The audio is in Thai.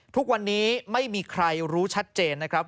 ทุกวันนี้ไม่มีใครรู้ชัดเจนนะครับ